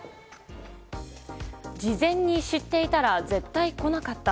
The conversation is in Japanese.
事前に知っていたら絶対来なかった。